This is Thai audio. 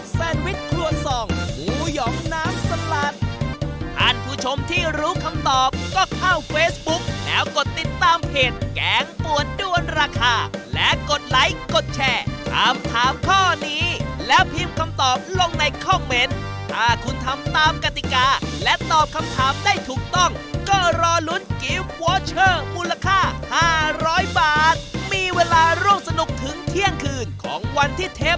แซนวิชครัวสองหมูหยองน้ำสลัดท่านผู้ชมที่รู้คำตอบก็เข้าเฟซบุ๊กแล้วกดติดตามเพจแกงปวดด้วนราคาและกดไลค์กดแชร์ถามถามข้อนี้แล้วพิมพ์คำตอบลงในคอมเมนต์ถ้าคุณทำตามกติกาและตอบคำถามได้ถูกต้องก็รอลุ้นกิฟต์วอเชอร์มูลค่า๕๐๐บาทมีเวลาร่วมสนุกถึงเที่ยงคืนของวันที่เทป